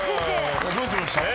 どうしました？